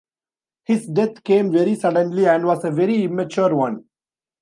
His death came very suddenly and was a very immature one.